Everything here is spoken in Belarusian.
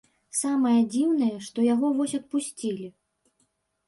Самае дзіўнае, што яго вось адпусцілі!